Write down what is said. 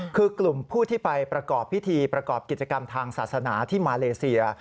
คือกลุ่มผู้ที่ไปประกอบพิธีประกอบกิจกรรมทางศาสนาที่มาเลเซีย